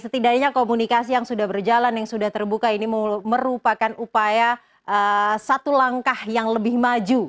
setidaknya komunikasi yang sudah berjalan yang sudah terbuka ini merupakan upaya satu langkah yang lebih maju